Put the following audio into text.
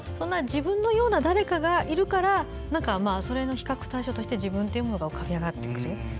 「自分のような誰か」がいるからそれの比較対象として自分というものが浮かび上がってくる。